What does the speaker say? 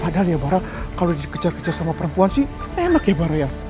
padahal ya bara kalau dikejar kejar sama perempuan sih enak ya bara ya